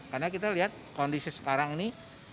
karena kita lihat kondisi sekarang ini